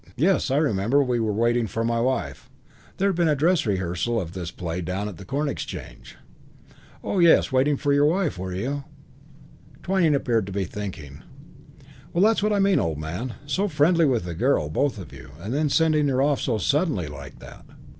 Yes, I remember; we were waiting for my wife. There'd been a dress rehearsal of this play down at the Corn Exchange." "Oh, yes, waiting for your wife, were you?" Twyning appeared to be thinking. "Well, that's what I mean, old man. So friendly with the girl both of you and then sending her off so suddenly like that."